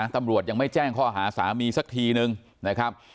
ตำรวจยังไม่แจ้งข้อหาสามีสักทีนึงนะครับ